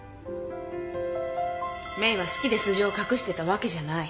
メイは好きで素性を隠してたわけじゃない。